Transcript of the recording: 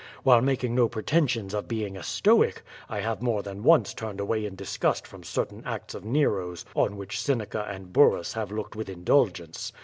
Wliilc mak ing no pretensions of being a stoic, I have more than one^* turned away in disgust from certain acts of Nero's on whicli Seneca and Burrus have looked with indulgence.